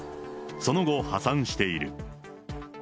その後、破産している。